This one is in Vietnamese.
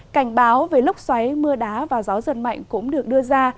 cảnh báo về lúc xoáy mưa đá và gió dần mạnh cũng được đưa ra